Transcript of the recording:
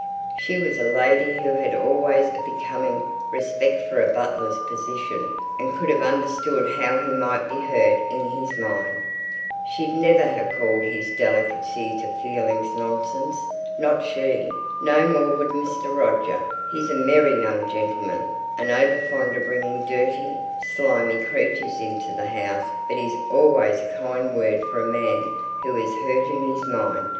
She was a lady who had always a becoming respect for a butler's position, and could have understood how he might be hurt in his mind. She'd never ha' called his delicacies of feelings nonsense not she; no more would Mr. Roger. He's a merry young gentleman, and over fond of bringing dirty, slimy creatures into the house; but he's always a kind word for a man who is hurt in his mind.